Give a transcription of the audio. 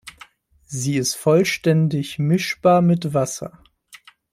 Sie ist vollständig mischbar mit Wasser.